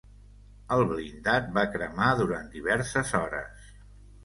El blindat va cremar durant diverses hores.